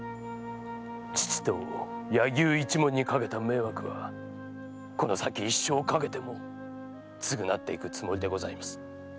父と柳生一門にかけた迷惑はこの先一生をかけても償っていくつもりでございます。